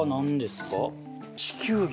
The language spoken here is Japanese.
地球儀？